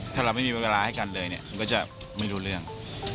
ถ้าเราไม่มีเวลาให้กันเลยเนี่ยมันก็จะไม่รู้เรื่อง